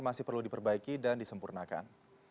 masih perlu diperbaiki dan disempurnakan